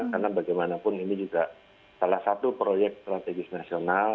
karena bagaimanapun ini juga salah satu proyek strategis nasional